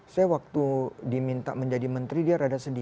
saya waktu diminta menjadi menteri dia rada sendiri